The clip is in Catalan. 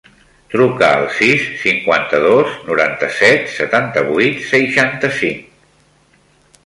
Truca al sis, cinquanta-dos, noranta-set, setanta-vuit, seixanta-cinc.